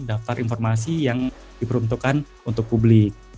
daftar informasi yang diperuntukkan untuk publik